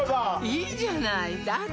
いいじゃないだって